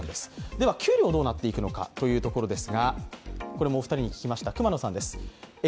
では給料どうなっていくのかというところです。